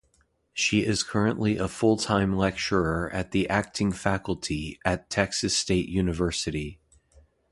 She is currently a full-time lecturer at the Acting Faculty at Texas State University.